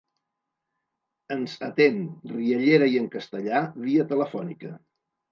Ens atén, riallera i en castellà, via telefònica.